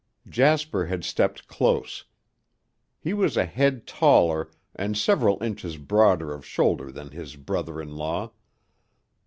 Jasper had stepped close. He was a head taller and several inches broader of shoulder than his brother in law.